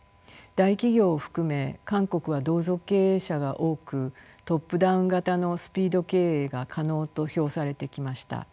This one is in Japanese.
大企業を含め韓国は同族経営者が多くトップダウン型のスピード経営が可能と評されてきました。